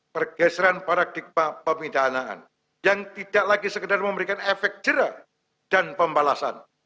pergeseran paradigma pemidanaan yang tidak lagi sekedar memberikan efek jerah dan pembalasan